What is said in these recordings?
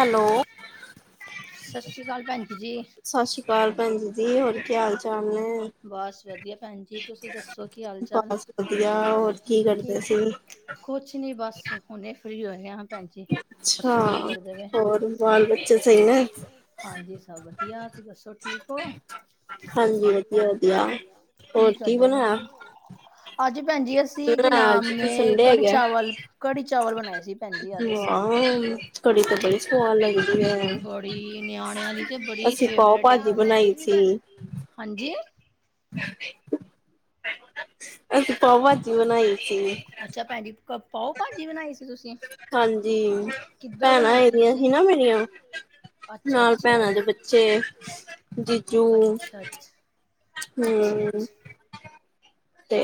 Hello, ਸਤਿ ਸ਼੍ਰੀ ਕਾਲ ਭੈਂਜੀ, ਹੋਰ ਕੀ ਹਾਲ- ਚਾਲ ਨੇ? ਬਸ ਵਧੀਆ, ਹੋਰ ਕੀ, ਕਰਦੇ ਸੀ? ਕੁਛ ਨੀ, ਬਸ ਹੁਨੇ ਫਰੀ ਹੋਏ ਆਂ। ਭੈਂਜੀ, ਰਸੋਈ ਕਰਦੇ ਪਏ। ਹਾਂਜੀ, ਸਭ ਵਦੀਆ, ਤੁਸੀਂ ਦੱਸੋ ਠੀਕ ਓ? ਕੀ, ਕਰਦੇ ਪਏ, ਅੱਜ ਭੈਂਜੀ ਅਸ ਕੀ, ਕੀ ਨਾਮ ਏ ਕੜੀ ਚਾਵਲ, ਕੜੀ ਚਾਵਲ, ਬਨਾਏ ਸੀ, ਭੈਂਜੀ, ਅੱਜ ਅਸੀ। [unintelligible] ਬੜੀ, ਨਿਆਣੇਆਂ ਦੇ ਤੇ ਬੜੀ ਫੇਵਰਟ ਐ ਕੜੀ। ਜੀ ਹਾਂਜੀ [unintelligible] ਅੱਛਾ ਭੈਣਜੀ ਪਾਓ ਭਾਜੀ ਬਣਾਈ ਸੀ ਤੁਸੀਂ? ਹਾਂਜੀ, ਭੈਣਾਂ ਇਹਦੀਆਂ ਸੀ ਨਾ ਮੇਰੀਆਂ। ਨਾਲ ਭੈਣਾਂ ਦੇ ਬੱਚੇ ਜੀਜੂ। ਅੱਛਾ -ਅੱਛਾ। ਤੇ,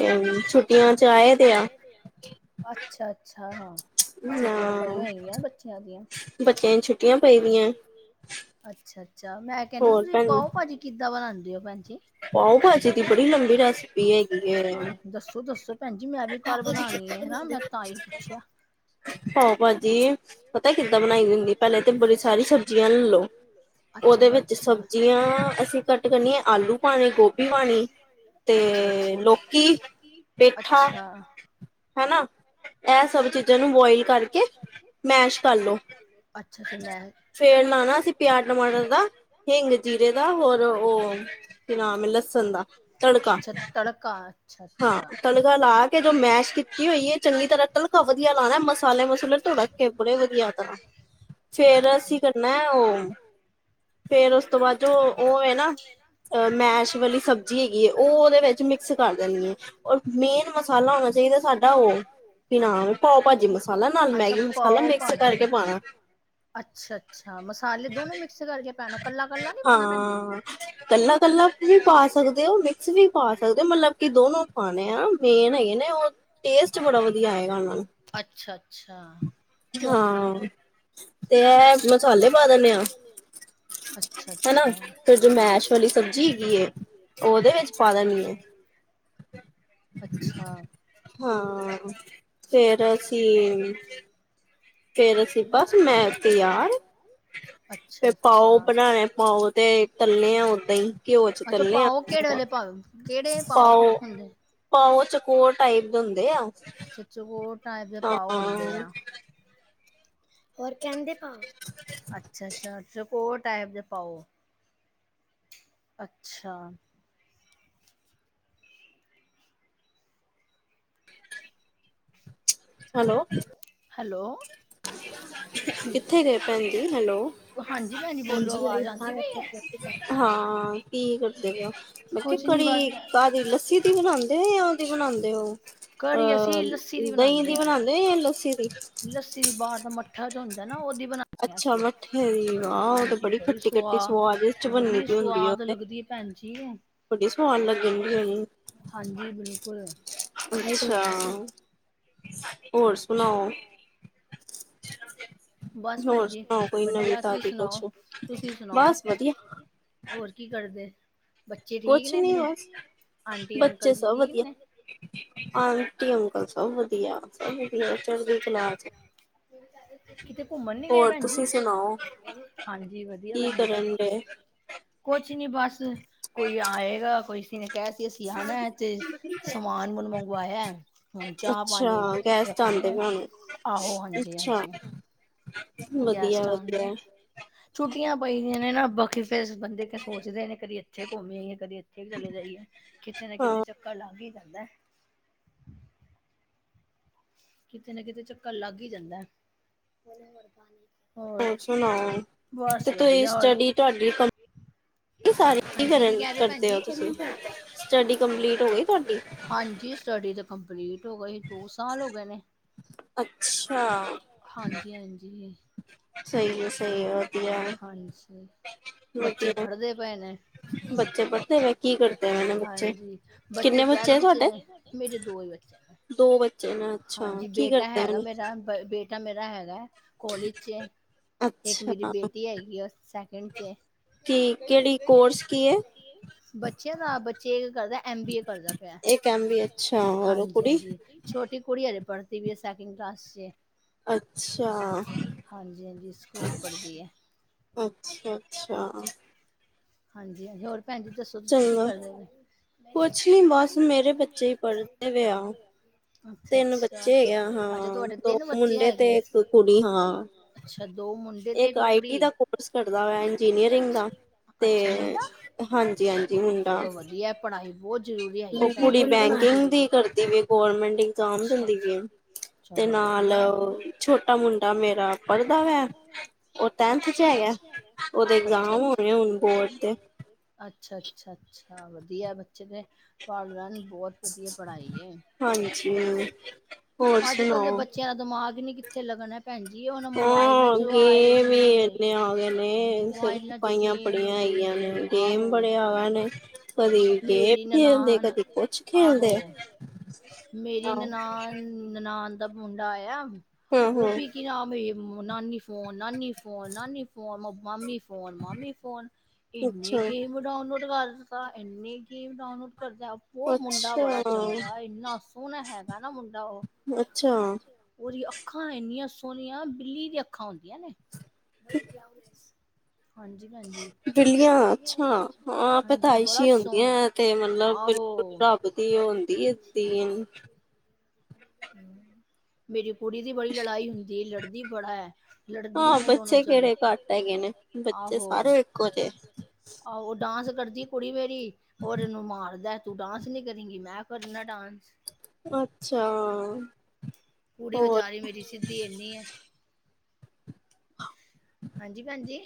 ਛੁੱਟੀਆਂ ਚ' ਆਏ ਤੇ ਆ। ਅੱਛਾ-ਅੱਛਾ ਛੁੱਟੀਆਂ ਪਾਈਆਂ ਹੋਈਗੀਆਂ ਬੱਚਿਆਂ ਦੀਆਂ। ਬੱਚਿਆਂ ਛੁੱਟੀਆਂ ਪੈਦੀਆਂ। ਅੱਛਾ-ਅੱਛਾ ਮੈਂ ਕਹਿੰਦੀ ਤੁਸੀਂ ਪਾਓ ਭਾਜੀ ਕਿੱਦਾਂ ਬਣਾਉਂਦੇ ਹੋ ਭੈਣ ਜੀ? ਹਾਂ, ਦੱਸੋ- ਦੱਸੋ। ਭੈਣ ਜੀ ਮੈਂ ਵੀ ਘਰ ਬਣਾਉਣੀ ਆ ਮੈਂ ਤਾਂ ਹੀ ਪੁੱਛਿਆ। ਪਾਓ ਭਾਜੀ ਪਤਾ ਕਿੱਦਾਂ ਬਣਾਈ ਹੁੰਦੀ ਪਹਿਲੇ ਤੇ ਬੜੀ ਸਾਰੀ ਸਬਜ਼ੀਆਂ ਲੈ ਲਓ। ਉਹਦੇ ਵਿੱਚ ਸਬਜ਼ੀਆਂ ਅਸੀਂ ਕੱਟ ਕਰਨੀਆਂ, ਆਲੂ ਪਾਣੇ, ਗੋਭੀ ਪਾਣੀ ਤੇ ਲੋਕੀ, ਬੈਠਾ, ਹਨਾ ਇਹ ਸਭ ਚੀਜ਼ਾਂ ਨੂੰ ਬੋਆਇਲ ਕਰਕੇ, ਮੈਸ਼ ਕਰ ਲੋ। ਫੇਰ ਲਾਣਾ ਅਸੀ ਪਿਆਜ਼, ਟਮਾਟਰ, ਦਾ ਹਿੰਗ, ਜੀਰੇ ਦਾ ਹੋਰ, ਉਹ ਕਿ ਨਾਮ ਹੈ ਲਸਣ ਦਾ ਤੜਕਾ। ਕਾਰ। ਹਾਂ ਤੜਕਾ ਲਾ ਕੇ ਜੋ ਮੈਸ਼ ਕੀਤੀ ਹੋਈ ਹੈ ਚੰਗੀ ਤਰ੍ਹਾਂ ਤਲ ਵਧੀਆ ਲਾਣਾ ਮਸਾਲੇ-ਮਸੂਲੇ ਤੜ ਕੇ ਬੜੇ ਵਧੀਆ ਫੇਰ ਅਸੀਂ ਕਰਨਾ ਉਹ ਫੇਰ ਉਸ ਤੋਂ ਬਾਅਦ ਜੋ ਉਹ ਹੈਨਾ ਅ ਮੈਸ਼ ਵਾਲੀ ਸਬਜ਼ੀ ਹੈਗੀ ਹੈ, ਉਹ ਉਹਦੇ ਵਿੱਚ ਮਿਕਸ ਕਰ ਹੋਰ ਮੇਨ ਮਸਾਲਾ ਹੋਣਾ ਚਾਹੀਦਾ ਸਾਡਾ ਉਹ ਕਿ ਨਾਮ - ਪਾਓ ਭਾਜੀ ਮਸਾਲਾ, ਨਾਲ ਮੈਗੀ ਮਸਾਲਾ ਮਿਕਸ ਕਰਕੇ ਪਾਣਾ। ਅੱਛਾ-ਅੱਛਾ ਮਸਾਲੇ ਦੋਨੋ ਮਿਕਸ ਕਰਕੇ ਪੈਣੇ ਕੱਲਾ-ਕੱਲਾ ਨੀ ਪਾਣਾ ਭੈਣਜੀ। ਕੱਲਾ-ਕੱਲਾ ਵੀ ਪਾ ਸਕਦੇ ਹੋ ਮਿਕਸ ਵੀ ਪਾ ਸਕਦੇ ਹੋ ਮਤਲਬ ਕਿ ਦੋਨੋ ਪਾਣੇ ਆ ਮੇਨ ਹੈਗੇ ਨੇ ਉਹ ਟੇਸਟ ਬੜਾ ਵਧੀਆ ਆਏਗਾ ਉਹਨਾਂ ਨਾਲ। ਅੱਛਾ-ਅੱਛਾ। ਹਾਂ ਤੇ ਇਹ ਮਸਾਲੇ ਪਾ ਦੇਨੇ ਆ। ਹੈਨਾ ਫਿਰ ਜੋ ਮੈਸ਼ ਵਾਲੀ ਸਬਜ਼ੀ ਹੈਗੀ ਉਹਦੇ ਵਿੱਚ ਪਾ ਦੇਣੀ ਹੈ। ਅੱਛਾ। ਹਾਂ ਫੇਰ ਅਸੀ ਫੇਰ ਅਸੀ ਬਸ ਮੈਂ ਤੇਯਾਰ। ਫ ਪਾਓ ਬਣਾਣੇ ਪਾਓ ਤੇ ਤਲਨੇ ਆ ਓਦਾਂ ਹੀ ਘਿਓ ਅੱਛਾ ਪਾਔ ਕਿਹੜੇ ਵੇਲੇ ਪਾਔ ਕਿਹੜੇ ਪਾਓ ਹੁੰਦੇ ਅੱਛਾ-ਅੱਛਾ ਹੋਰ ਟਾਈਪ ਦੇ ਪਾਓ ਹੁੰਦੇ ਆ। ਹੋਰ ਕਹਿੰਦੇ ਪਾ ਅੱਛਾ-ਅੱਛਾ ਦੇ ਟੈਪ ਦੇ ਪਾਓ। ਅੱਛਾ। ਹੈਲੋ, ਹੈਲੋ, ਕਿੱਥੇ ਗਏ ਭੈਣ ਜੀ? ਹੈਲੋ, ਹਾਂ। ਕੀ ਕਰਦੇ ਪਯੋ ਮਤਲਬ ਕੜੀ ਕਾਹ ਦੀ ਲੱਸੀ ਦੀ ਬਣਾਉਂਦੇ ਹੋ ਜਾਂ ਉਹਦੀ ਬਣਾਉਂਦੇ ਉਹ ਅਹ ਦਹੀਂ ਦੀ ਬਣਾਉਂਦੇ ਜਾਂ ਲੱਸੀ ਦੀ? ਲੱਸੀ ਦੀ ਬਾਹਰ ਦਾ ਮੱਠਾ ਜੋ ਹੁੰਦਾ ਨਾ ਉਹਦੀ ਬਣਾ ਗਿਆ ਸੀ ਹਾਂਜੀ ਬੜੀ ਸੁਆ ਬੜੀ ਸੁਆਦ ਲੱਗਦੀ ਭੈਣਜੀ ਇਹ। ਹਾਂਜੀ, ਬਿਲਕੁਲ। ਵਦੀਆ, ਹੋਰ ਸੁਣਾਓ? [inaudible] ਬੱਸ ਭੈਣ ਜੀ, ਵਧੀਆ ਤੁਸੀਂ ਸੁਣਾਓ, ਤੁਸੀਂ ਸੁਣਾਓ। ਹੋਰ ਕੀ ਕਰਦੇ, ਬੱਚੇ ਠੀਕ ਨੇ, ਆਂਟੀ-ਅੰਕਲ ਜੀ ਠੀਕ ਨੇ? ਆਂਟੀ-ਅੰਕਲ ਸਭ ਵਧੀਆ, ਸਭ ਵਧੀਆ ਚੜਦੀ ਕਲਾ'ਚ। ਹੋਰ ਤੁਸੀਂ ਸੁਣਾਓ, ਕੀ ਕਰਨ ਡੇ? ਕੁਛ ਨੀ ਬੱਸ ਕੋਈ ਆਏਗਾ, ਕੋਈ ਫੇਰ - ਕਹਿਤੇ ਸੀਂ ਆਂਨਾ। ਇਹ ਤੇ ਸਮਾਨ ਹੁਣ ਮੰਗਵਾਇਆ, ਹੁਣ ਚਾਹ ਪਾਣੀ - ਖਣੇਆ, ਆਹੋ ਹਾਂਜੀ-ਹਾਂਜੀ। ਗੈਸਟ ਆਂਦੇ। ਛੁੱਟੀਆਂ ਪਈਆਂ ਦੀਆਂ ਨੇ ਨਾ ਬਾਕੀ ਫਿਰ ਬੰਦੇ ਸੋਚਦੇ ਨੇ ਕਦੀ ਏਥ- ਇੱਥੇ ਕੁੰਮ ਆਈਏ, ਕਦੇ ਇੱਥੇ ਵੀ ਚਲੇ ਜਾਈਏ, ਕਿਤੇ ਨਾ ਕਿਤੇ ਚੱਕਰ ਲੱਗ ਹੀ ਜਾਂਦਾ। ਕਿਤੇ ਨਾ ਕਿਤੇ ਚੱਕਰ ਲੱਗ ਹੀ ਜਾਂਦਾ। ਹੋਰ ਸੁਣਾਓ, ਤੇ ਤੁਸੀ ਸਟਡੀ ਤੁਹਾਡੀ ਕਮ- ਸਾਰੇ ਕੀ ਕਰਨ ਕਰਦੇ ਹੋ ਤੁਸੀਂ? ਸਟੱਡੀ ਕੰਪਲੀਟ ਹੋ ਗਈ ਤੁਹਾਡੀ? ਹਾਂਜੀ, ਸਟੱਡੀ ਤੇ ਕੰਪਲੀਟ ਹੋ ਗਈ, ਦੋ ਸਾਲ ਹੋ ਗਏ ਨੇ। ਹਾਂਜੀ -ਹਾਂਜੀ। ਹਾਂਜੀ, ਬੱਚੇ ਪੜ੍ਹਦੇ ਪਏ ਨੇ। ਬੱਚੇ ਪੜ੍ਹਦੇ ਪਏ, ਕੀ ਕਰਦੇ ਪਏ ਨੇ ਬੱਚੇ? ਬੱਚੇ ਟਵੈਲਥ'ਚ, ਮੇਰੇ ਦੋ ਹੀ ਬੱਚੇ ਨੇ। ਦੋ ਬੱਚੇ ਨੇ ਅੱਛਾ, ਕੀ ਕਰਦੇ? ਮੇਰਾ ਬੇਟਾ। ਮੇਰਾ ਹੈਗਾ ਹੈ- ਕਾੱਲੇਜ'ਚ, ਇੱਕ ਮੇਰੀ ਬੇਟੀ ਹੈਗੀ, ਸੈਕਿੰਡ'ਚ। ਕਿ ਕਿਹੜੀ ਕੋਰਸ ਕੀਏ? ਬੱਚਿਆਂ ਦਾ ਬੱਚੇ- ਕਰਦਾ, ਐਮਬੀਏ ਕਰਦਾ ਪਿਆ, ਹਾਂਜੀ-ਹਾਂਜੀ। ਛੋਟੀ ਕੁੜੀ ਅੱਜੇ ਪੜਦੀ ਪਈ ਏ ਸੇਕਿੰਡ ਕਲਾਸ ਚ ਐ। ਹਾਂਜੀ, ਹਾਂਜੀ ਸਕੂਲ ਪੜ੍ਹਦੀ ਹੈ। ਅੱਛਾ, ਅੱਛਾ ਹਾਂਜੀ, ਹਾਂਜੀ ਹੋਰ ਭੈਣ ਜੀ ਦੱਸੋ, ਤੁਸੀਂ ਕੀ ਕਰਦੇ ਪਏ। ਮੇਰੇ ਬੱਚੇ [inaudible] ਤਿੰਨ ਬੱਚੇ ਹੈਗੇ ਹਾਂ। ਦੋ ਮੁੰਡੇ ਤੇ ਇੱਕ ਕੁੜੀ ਹਾਂ। ਇੱਕ ਆਈਟੀ ਦਾ ਕੋਰਸ ਕਰਦਾ ਪਯਾ, ਇੰਜੀਨੀਅਰਿੰਗ ਦਾ। ਤੇ ਹਾਂਜੀ, ਹਾਂਜੀ ਮੁੰਡਾ ਕੁੜੀ ਬੈਂਕਿੰਗ ਦੀ ਕਰਦੀ ਵੀ, ਗੌਰਮੈਂਟ ਇੰਜ਼ਾਮ ਦਿੰਦੀ ਵੀ ਹੈ। ਤੇ ਨਾਲ, ਛੋਟਾ ਮੁੰਡਾ ਮੇਰਾ ਪੜ੍ਹਦਾ ਵਾ। ਉਹ ਟੈਂਨਥ 'ਚ ਹੈਗਾ। ਉਹਦੇ ਐਗਜ਼ਾਮ ਹੋਰੇ ਹੁਣ ਬੋਰਡ ਦੇ। ਅੱਛਾ, ਅੱਛਾ, ਅੱਛਾ ਵਧੀਆ ਬੱਚੇ ਦੇ ਪੜ ਲੈਣ ਬਹੁਤ ਵਧੀਆ ਪੜ੍ਹਾਈ ਏ, ਅੱਜ ਕੱਲ ਦੇ ਬੱਚੇ ਤੇਰਾ ਦਿਮਾਗ ਨੀ, ਕਿੱਥੇ ਲੱਗਣਾ। ਹਾਂ ਗੇਮ ਈ ਏਨੇ ਆ ਗਏ ਨੇ, ਸਿਰ ਖ ਪਾਈਆਂ ਬੜੀਆਂ। ਹੈਗਿਆ ਨੇ, ਗੇਮ ਬੜੇ ਆ ਗਏ ਨੇ। ਕਦੀ ਗੇਮ ਖੇਲਦੇ, ਕਦੀ ਕੁਛ ਖੇਲਦੇ ਹੈ। ਮੇਰੀ ਨਨਾਣ ਨਨਾਣ ਦਾ ਮੁੰਡਾ ਆਇਆ, ਉਹ ਵੀ ਕੀ ਨਾਮ ਏ ਨਾਨੀ ਫੋਨ ਨਾਨੀ ਫੋ ਫੋਨ ਨਾਨੀ ਫੋਨ, ਮਾਮੀ ਫੋਨ, ਮਾਮੀ ਫੋਨ ਇਨੇ ਗੇਮ ਡਾਊਨਲੋਡ ਕਰ ਦਿੱਤਾ ਏਨੇ ਗੇਮ ਡਾਊਨਲੋਡ ਕਰਦਾ। ਓਹ ਮੁੰਡਾ ਬੜਾ ਚੰਗਾ ਇੰਨਾ ਸੋਣਾ ਹੈਗਾ ਨਾ ਮੁੰਡਾ ਓਹ। ਓਹਦੀ ਅੱਖਾਂ ਏਨੀਆਂ ਸੋਣੀਆਂ ਬਿੱਲੀ ਦੀਆਂ ਅੱਖਾਂ ਹੁੰਦੀਆਂ ਨੇ। ਹਾਂਜੀ ਭੈਣਜੀ, ਹਾਂਜੀ। ਅਸ਼ੀ ਹੁੰਦੀਐਂ ਐਤੇ ਮਤਲਬ ਬਿਲਕੁਲ ਰੱਬ ਦੀ ਓਹ ਹੁੰਦੀ ਏ ਦੇਨ। ਹੂੰ। ਮੇਰੀ ਕੁੜੀ ਦੀ ਬੜੀ ਲੜਾਈ ਹੁੰਦੀ ਏ। ਲੜਦੀ ਬੜੈ ਲੜਦੀਆਂ ਨੇ ਦੋਨੋ ਜਨ ਬੱਚੇ ਸਾਰੇ ਇੱਕੋ ਜੇ। ਆਹੋ ਡਾਂਸ ਕਰਦੀ ਏ ਕੁੜੀ ਵੇਰੀ ਔਰ ਇਹਨੂੰ ਮਾਰਦੈ। ਤੂੰ ਡਾਂਸ ਨੀ ਕਰੇਗੀ ਮੈਂ ਕਲਨੈ ਡਾਂਸ। ਅੱਛਾ। ਕੁੂੜੀ ਵਿਚਾਰੀ ਮੇਰੀ ਸਿੱਧੀ ਏਨੀ ਏ। ਹਾਂਜੀ ਭੈਣ ਜੀ।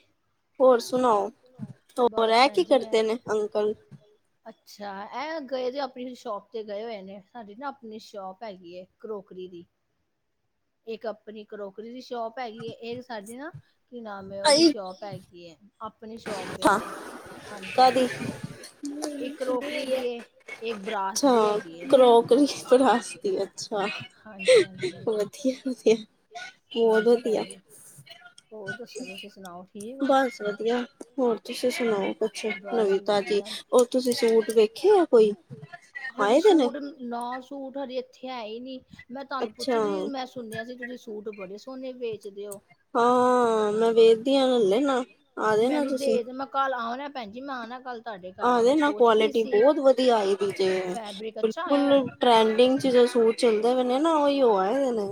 ਬਸ ਭੈਣ ਜੀ ਮੈ ਅੱਛਾ, ਐ ਗਏ ਦੇ ਆਪਣੀ ਸ਼ੋਪ ਤੇ ਗਏ ਹੋਏ ਨੇ। ਸਾਡੀ ਨਾ ਆਪਣੀ ਸ਼ੋਪ ਹੈਗੀ ਏ ਕਰੋਕਰੀ ਦੀ। ਇੱਕ ਅਪਨੀ ਕਰੋਕਰੀ ਦੀ ਸ਼ੋਪ ਹੈਗੀ ਏ। ਇਕ ਸਾਡੀ ਨਾ ਕੀ ਨਾਮ ਏ ਓਹਦੀ ਸ਼ੋਪ ਹੈਗੀ ਏ। ਆਪਣੀ ਸ਼ੋਪ ਏ, ਹਾਂਜੀ ਹਾਂਜੀ। ਇੱਕ ਕਰੋਕਰੀ ਦੀ ਏ। ਇੱਕ ਬਰਾਸ ਦੀ ਹੈਗੀ ਏ। ਹਾਂਜੀ ਹਾਂ। ਵਧੀਐ ਨਾ ਫੇਰ। ਹਾਂਜੀ ਭੈਣ ਜੀ, ਹੋਰ ਦੱਸੋ ਤੁਸੀਂ ਸੁਣਾਓ? ਬਸ ਵਧੀਆ, ਹੋਰ ਤੁਸੀਂ ਸੁਣਾਓ ਕੁਛ ਨਵੀ ਤਾਜੀ? ਔਰ ਤੁਸੀਂ ਸੂਟ ਵੇਖੇ ਆ? ਹੋਈ। ਹਜੇ ਸੂਟ, ਨਾਅ ਸੂਟ ਹਜੇ ਏਥੇ ਹੈ ਈ ਨੀ। ਮੈਂ ਤੁਆਨੂੰ ਪੁੱਛੀ ਸੀ ਮੈਂ ਸੁਨਿਆ ਸੀ ਤੁਸੀਂ ਸੂਟ ਬੜੇ ਸੋਨੇ ਵੇਚਦੇ ਓ। ਹਾਂ, ਮੈਂ ਵੇਖਦੀ ਆਂ ਲਲ ਲੇਣਾ। ਮੈਨੂੰ ਦੇ ਦੇ ਮੈਂ ਕੱਲ ਆਣਾ ਭੈਣਜੀ, ਮੈਂ ਆਣੈ ਕੱਲ। ਆ ਜਨਾ ਕੁਆਲਿਟੀ ਬੌਤ ਵਧੀਆ ਆਈ ਦੀ ਜੇ, ਬਿਲਕੁਲ। ਟਰੈਂਡਿੰਗ ਚ ਜੋ ਸੂਟ ਚੱਲਦੇ ਪੇ ਨੇ ਨਾ ਓਹੀਓ ਆਏ ਦੇ ਨੇ।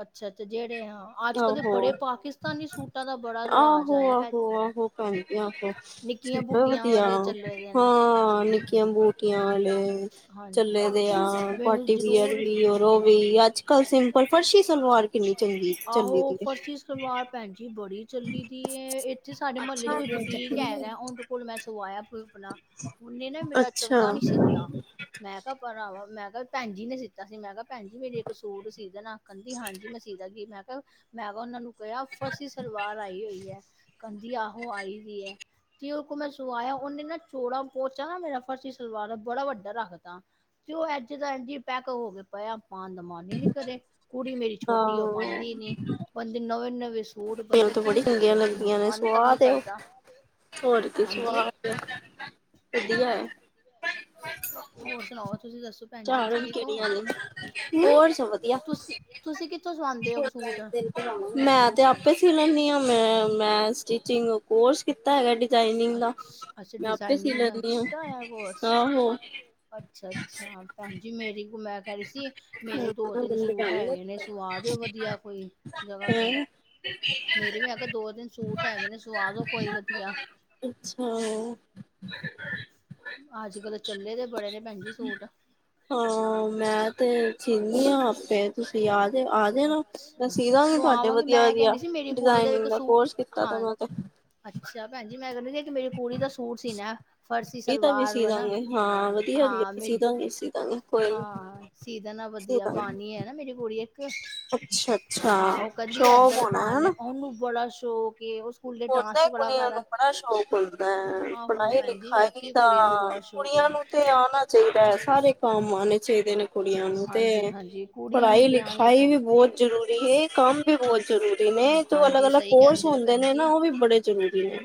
ਅੱਛਾ ਅੱਛਾ, ਜੇੜੇ ਹਾਂ ਅੱਜ-ਕੱਲ੍ਹ ਤੇ ਬੜੇ ਪਾਕਿਸਤਾਨੀ ਸੂਟਾਂ ਦਾ ਆਹੋ ਆਹੋ ਆਹੋ ਭੈਣਜੀ ਆਹੋ, ਸੀਤੇ ਵਧੀਆ, ਹਾਂ ਨਿੱਕੀ ਕੀਆ ਬੂਟੀਆਂ ਆਲੇ, ਚੱਲੇ ਦੇ ਆ। ਪਾਰਟੀਵੀਅਰ ਵੀ ਓਰ ਓਹ ਵੀ ਅੱਜ ਅੱਜ-ਕਲ ਸਿੰਪਲ ਫਰਸ਼ੀ ਸਲਵਾਰ ਕਿੰਨੀ ਚੰਗੀ। ਫ਼ਰਸੀ ਸਲਵਾਰ ਭੈਣ ਜੀ ਬੜੀ ਚੱਲੀ ਦੀ ਏ। ਏਥੇ ਸਾਡੇ ਮੱਲੇ 'ਚ ਕੋਈ ਬੁਟੀਕ ਹੈਗਾ। ਓਣ ਹੁਣ ਮੈਂ ਸਵਾਇਐ ਪੁਲ ਅਪਣਾ। ਉਨੇ ਨਾ ਮੇਰਾ ਚੰਗਾ ਨੀ ਸਿਤਾ। ਮੈਂ ਕਿਆ ਪੈਣਾਵਾਂ ਮੈਂ ਕਿਆ ਭੈਣ ਜੀ ਨੇ ਸਿੱਤਾ ਸੀ ਮੈਂ ਕਿਆ। ਭੈਣ ਜੀ ਮੇਰੇ ਇੱਕ ਸੂਟ ਸੀ ਦੇਣਾ। ਕੈੰਦੀ ਹਾਂਜੀ ਮੈਂ ਸੀ ਦਾ ਗੀ ਮੈਂ ਕਿਆ ਮੈਂ ਕਿਆ ਓਹਨਾ ਨੂੰ ਕਿਆ ਫਰਸੀ ਸ ਵਾਰ ਆਈ ਹੋਈ ਐ, ਕੈੰਦੀ ਆਹੋ ਆਈ ਦੀ ਐ। ਤੇ ਓਹਦੇ ਕੋ ਮੈਂ ਸਵਾਇਆ ਓਹਨੇ ਨਾ ਚੋੜਾ ਪੋਚਾ ਨਾ ਮੇਰਾ ਫਰਸੀ ਸਲਵਾਰ ਦਾ ਬੜਾ ਵੱਡਾ ਰੱਖਤਾ। ਤੇ ਓਹ ਐਝ ਦਾ ਐੰਝ ਹੀ ਪੈਕ ਹੋ ਕੇ ਪਯਾ। ਪਾਣ ਦਾ ਮਨ ਈ ਨੀ ਕਰੇ। ਕੁੜੀ ਮੇਰੀ ਛੋਟੀ ਓਹ ਪਾਂਦੀ ਨੀ ਕੈੰਦੀ ਨਵੇਂ-ਨਵੇਂ ਸੂ ਸੂਟ ਬੰਦੇ ਕਿਨੂੰ ਦੇਵੇ ਬੰਦੇ ਮਨ ਤੱਕ ਨੀ ਕਰਦਾ। ਹੋਰ ਤੇ ਸਵਾਦ ਵਧੀਐ। ਹੋਰ ਸੁਣਾਓ, ਤੁਸੀਂ ਦੱਸੋ ਭੈਣ ਜੀ ਠੀਕ ਓ? ਔਰ ਸਭ ਵਧੀਆ। ਮੈਂ ਮੈਂ ਆਪੇ ਸੀ ਲੈਂਦੀ ਆ, ਮੈਂ, ਮੈਂ ਸਟਿਚਿੰਗ ਕੋਰਸ ਕੀਤਾ ਹੈਗਾ ਡਿਜਾਇਨਿੰਗ ਦਾ ਮੈਂ ਆਪੇ ਸੀ ਲੈਂਦੀ ਆ ਆਹੋ। ਅੱਛਾ -ਅੱਛਾ ਭੈਣ ਜੀ ਮੇਰੀ ਮੈਂ ਕਹਿ ਰਹੀ ਸੀ ਮੇਰੇ ਦੋ ਤਿੰਨ ਸੂਟ ਹੈਗੇ ਨੇ ਸਵਾ ਦਿਓ ਵਧੀਆ ਕੋਈ ਜਗ੍ਹਾ ਤੋਂ ਤੇ ਮੇਰੇ ਵੀ ਹੈਗੇ ਦੋ ਤਿੰਨ ਸੂਟ ਹੈਗੇ ਨੇ ਸਵਾਦ ਓ ਕੋਈ ਵੱਧੀਆ ਅੱਛਾ। ਅੱਜ ਕੱਲ ਚੱਲੇ ਦੇ ਬੜੇ ਨੇ ਭੈਣਜੀ ਸੂਟ। ਹਾਂ ਮੈਂ ਤੇ ਸਿੰਨੀ ਆ ਆਪੇ। ਤੁਸੀਂ ਆ ਜਾਣਾ-ਆ ਜਾਣਾ ਮੈਂ ਸੀਦਾਂਗੀ ਤਾਡੇ ਵਦੀਆ। ਵਧੀਆ- ਵਧੀਆ ਡਿਜ਼ਾਇਨਿੰਗ ਦਾ ਕੋਰਸ ਕੀਤਾ ਤਾ ਮੈ ਤੇ। ਅੱਛਾ ਭੈਣ ਜੀ, ਮੈਂ ਕੇਂਦੀ ਸੀ ਇੱਕ ਮੇਰੀ ਕੁੜੀ ਦਾ ਸੂਟ ਸੀਨਾ। ਫਰਸ਼ੀ ਸਲਵਾਰ ਵਾਲਾ ਹਾਂ ਮੇਰੀ ਹਾਂ ਸੀ ਦੇਨਾ ਵਧੀਆ, ਪਾਂਦੀ ਏ ਨਾ ਮੇਰੀ ਕੁੜੀ ਇੱਕ ਹਾਂ ਓ ਕੇਂਦੀ ਏਦਾ ਦਾ ਪਾਣਾ, ਓਨੂੰ ਬੜਾ ਸ਼ੌਕ ਏ ਔਂਦਾਈ ਕੁੜੀਆਂ ਨੂੰ ਬੜਾ ਸ਼ੌਕ ਹੁੰਦਾ, ਪੜ੍ਹਾਈ ਲਿਖਾਈ ਦਾ ਕੁੜੀਆਂ ਨੂੰ ਤੇ ਆਣਾ ਚਾਈਦਾ, ਸਾਰੇ ਕੰਮ ਆਣੇ ਚਾਈਦੇ ਨੇ ਕੁੜੀਆਂ ਨੂੰ ਤੇ, ਪੜ੍ਹਾਈ ਲਿਖਾਈ ਵੀ ਬੋਤ ਜ਼ਰੂਰੀ ਏ, ਕੰਮ ਵੀ ਬੋਤ ਜ਼ਰੂਰੀ ਨੇ, ਤੋਂ ਅਲੱਗ -ਅਲੱਗ ਕੋਰਸ ਹੁੰਦੇ ਨੇ ਬੜੇ ਜ਼ਰੂਰੀ ਨੇ।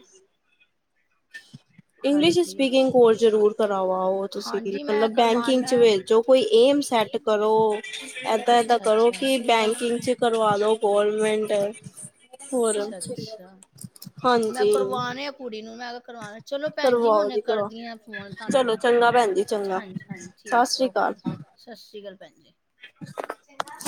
ਇੰਗਲਿਸ਼ ਸਪੀਕਿੰਗ ਕੋਰਸ ਜਰੂਰ ਕਰਵਾਓ ਤੁਸੀਂ, ਮਤਲਬ ਬੈਂਕਿੰਗ ਚ ਜੋ ਕੋਈ ਏਮ ਸੈਟ ਕਰੋ ਏ-ਦਾ ਏਦਾ ਕਰੋ ਕਿ ਬੈਂਕਿੰਗ ਚ ਕਰਵਾ ਲੋ ਗੌਰਮੈਂਟ ਅੱਛਾ- ਅੱਛਾ ਮੈਂ ਕਰਵਾਨੇ ਆ ਕੁੜ ਨੂੰ ਮੈਂ ਕਰਵਾਣਾ ਚਲੋ ਭੈਣ ਜੀ ਮੈਂ ਹੁਣੇ ਕਰਦੀ ਆ ਫੋਨ ਤਾਨੂੰ ਮੈਂ, ਹਾਂਜ- ਹਾਂਜੀ ਠੀਕ ਓਕੇ ਜੀ। ਸਤਿ ਸ਼੍ਰੀ ਅਕਾਲ ਭੈਣ ਜੀ। ਚੰਗਾ।